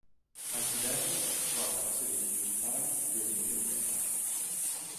A Zibello è situata la sede municipale dell'ente unificato.